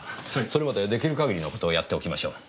それまで出来る限りのことをやっておきましょう。